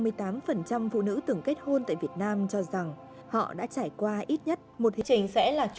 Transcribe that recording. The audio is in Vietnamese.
nguyên nhân dẫn tới bạo lực gia đình trong năm hai nghìn một mươi năm năm mươi tám phụ nữ từng kết hôn tại việt nam cho rằng họ đã trải qua ít nhất một hình thức